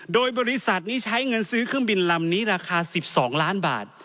โดยบริษัทนี้ใช้เงินซื้อเครื่องบินลำนี้ราคา๑๒ล้านบาท